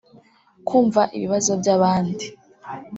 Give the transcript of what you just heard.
kumva ibibazo by’abandi